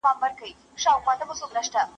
پاچهي پاچهانو لره ښايي، لويي خداى لره.